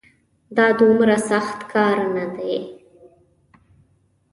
دا دومره سخت کار نه دی